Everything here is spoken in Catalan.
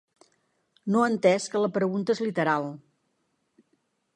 No ha entès que la pregunta és literal.